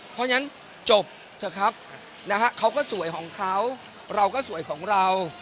เพราะฉะนั้นจบเถอะครับนะฮะเขาก็สวยของเขาเราก็สวยของเรา